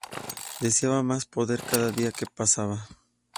Deseaba más poder cada día que pasaba.